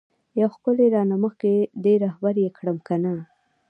یو ښکلی رانه مخکی دی رهبر یی کړم کنه؟